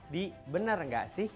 di benar enggak sih